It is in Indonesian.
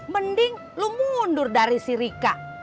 mending lu mundur dari si rika